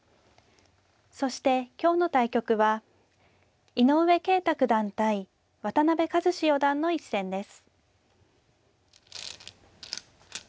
そして今日の対局は井上慶太九段対渡辺和史四段の一戦です。